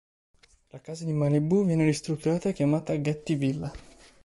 La casa di Malibù viene ristrutturata e chiamata "Getty Villa".